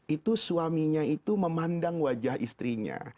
itu suaminya itu memandang wajah istrinya